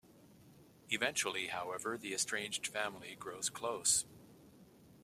Eventually, however, the estranged family grows close.